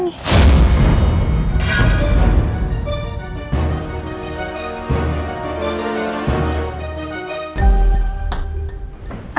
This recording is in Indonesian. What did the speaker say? panti asuhan mutiara bunda